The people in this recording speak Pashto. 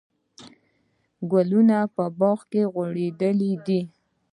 ګلونه په باغ کې غوړېدلي دي.